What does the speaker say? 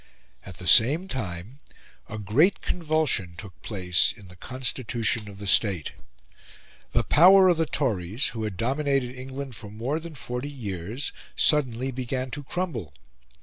At the same time a great convulsion took place in the constitution of the State. The power of the Tories, who had dominated England for more than forty years, suddenly began to crumble.